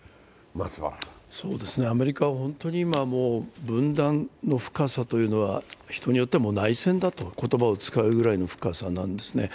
アメリカは今、分断の深さというのは人によっては内戦だという言葉を使うような深さなんです